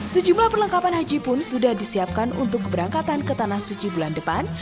sejumlah perlengkapan haji pun sudah disiapkan untuk keberangkatan ke tanah suci bulan depan